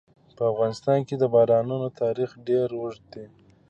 په افغانستان کې د بارانونو تاریخ ډېر اوږد دی.